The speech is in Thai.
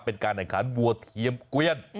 เป็นการแข่งขันวัวเทียมเกวียน